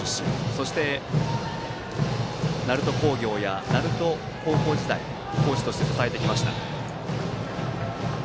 そして鳴門工業や鳴門高校時代にコーチとして支えてきました。